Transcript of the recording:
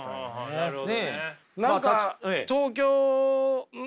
なるほど。